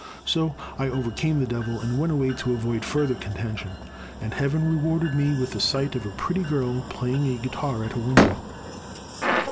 So I overcame the devil, and went away to avoid further contention. And Heaven rewarded me with the sight of a pretty girl playing a guitar at her window.